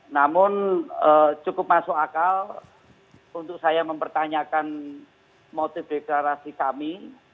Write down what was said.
namun cukup masuk akal untuk saya mempertanyakan motif deklarasi kami